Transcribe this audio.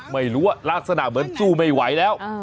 ไม่รู้ว่ารักษณะเหมือนสู้ไม่ไหวแล้ว